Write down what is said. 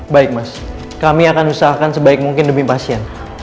baik mas kami akan usahakan sebaik mungkin demi pasien